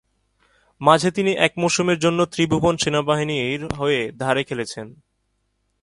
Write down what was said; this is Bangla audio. মাঝে তিনি এক মৌসুমের জন্য ত্রিভুবন সেনাবাহিনীর হয়ে ধারে খেলেছেন।